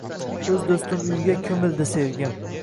O’z do’stim uyiga ko’mildi sevgim